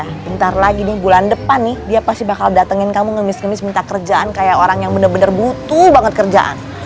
nih ya ntar lagi nih bulan depan nih dia pasti bakal datengin kamu ngemis ngemis minta kerjaan kayak orang yang bener bener butuh banget kerjaan